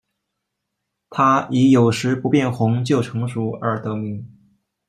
它以有时不变红就成熟而得名。